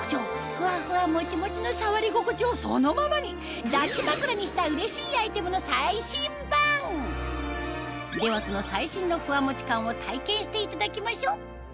ふわふわもちもちの触り心地をそのままに抱き枕にしたうれしいアイテムの最新版ではその最新のふわもち感を体験していただきましょう